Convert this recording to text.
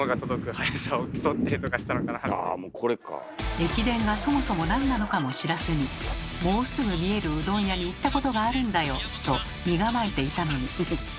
駅伝がそもそもなんなのかも知らずに「もうすぐ見えるうどん屋に行ったことがあるんだよ！」と身構えていたのに。